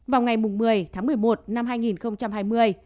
vào ngày một mươi tháng một mươi một năm hai nghìn hai mươi